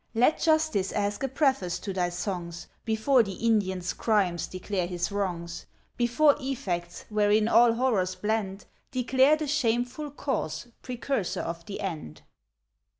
Let Justice ask a preface to thy songs, Before the Indian's crimes declare his wrongs; Before effects, wherein all horrors blend, Declare the shameful cause, precursor of the end.